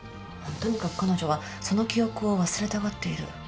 とにかく彼女はその記憶を忘れたがっている。